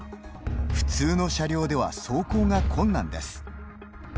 普通の車両では走行が困難です。